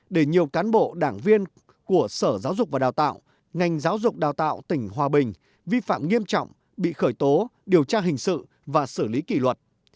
để nhiều cán bộ đảng viên của sở giáo dục và đào tạo ngành giáo dục đào tạo tỉnh hòa bình vi phạm nghiêm trọng bị khởi tố điều tra hình sự và xử lý kỷ luật